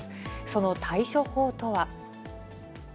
その対処法とは。